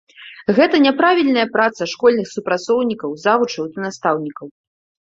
Гэта няправільная праца школьных супрацоўнікаў, завучаў ды настаўнікаў.